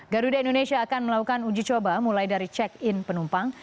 garuda indonesia akan melakukan uji coba mulai dari check in penumpang